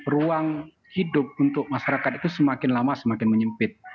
ruang hidup untuk masyarakat itu semakin lama semakin menyempit